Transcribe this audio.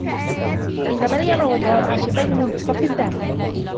إن مريم وتوم عاشقين منذ الصف الثامن.